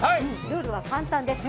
ルールは簡単です。